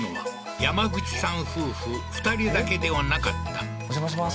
山口さん夫婦２人だけではなかったお邪魔します